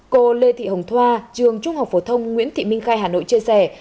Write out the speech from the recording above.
cô lê thị hồng thoa trường trung học phổ thông nguyễn thị minh khai hà nội chia sẻ